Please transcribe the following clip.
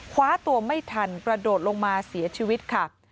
คว้าตัวไม่ทันกระโดดลงมาเสียชีวิตค่ะ